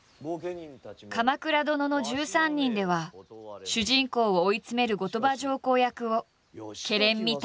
「鎌倉殿の１３人」では主人公を追い詰める後鳥羽上皇役をけれんみたっぷりに熱演。